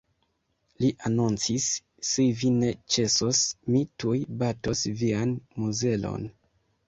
Li anoncis; "Se vi ne ĉesos, mi tuj batos vian muzelon!".